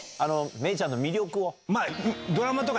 芽郁ちゃんの魅力を。